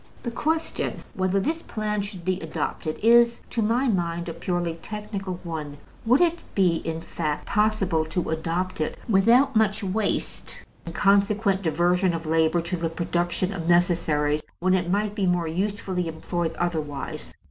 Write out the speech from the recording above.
The question whether this plan should be adopted is, to my mind, a purely technical one: would it be, in fact, possible to adopt it without much waste and consequent diversion of labor to the production of necessaries when it might be more usefully employed otherwise?